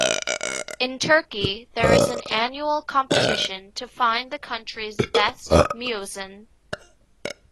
In Turkey, there is an annual competition to find the country's best muezzin.